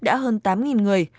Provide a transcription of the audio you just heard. đã hơn tám người